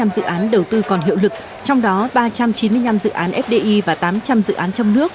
một một trăm chín mươi năm dự án đầu tư còn hiệu lực trong đó ba trăm chín mươi năm dự án fdi và tám trăm linh dự án trong nước